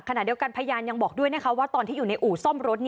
ขณะเดียวกันพยานยังบอกด้วยนะคะว่าตอนที่อยู่ในอู่ซ่อมรถ